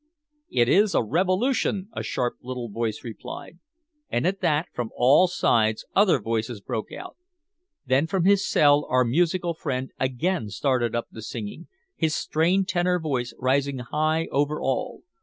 "It is a revolution!" a sharp little voice replied. And at that, from all sides other voices broke out. Then from his cell our musical friend again started up the singing, his strained tenor voice rising high over all.